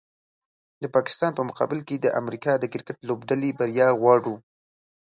د پاکستان په مقابل کې د امریکا د کرکټ لوبډلې بریا غواړو